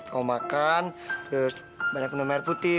kamu makan terus banyak minum air putih